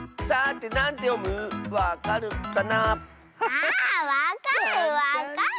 あわかるわかる。